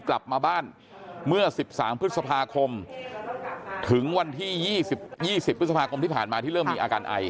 กลับมาบ้านเมื่อ๑๓พฤษภาคมถึงวันที่๒๐พฤษภาคมที่ผ่านมาที่เริ่มมีอาการไอ